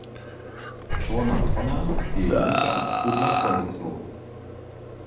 Čorna tona steji wonka pódla kolesow.